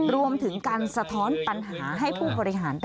รวมถึงการสะท้อนปัญหาให้ผู้บริหาร